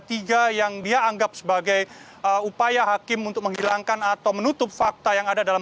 tiga yang dia anggap sebagai upaya hakim untuk menghilangkan atau menutup fakta yang ada dalam